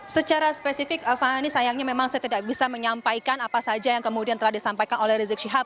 secara spesifik fani sayangnya memang saya tidak bisa menyampaikan apa saja yang kemudian telah disampaikan oleh rizik syihab